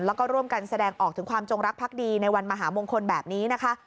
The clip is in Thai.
แล้วก็ร่วมกันแสดงออกถึงความจงรักพักดีในวันมหามงคลแบบนี้นะคะ